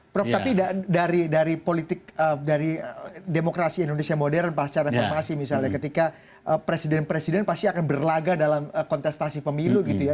prof tapi dari politik dari demokrasi indonesia modern pasca reformasi misalnya ketika presiden presiden pasti akan berlaga dalam kontestasi pemilu gitu ya